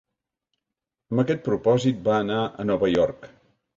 Amb aquest propòsit va anar a Nova York.